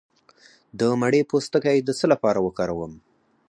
د مڼې پوستکی د څه لپاره وکاروم؟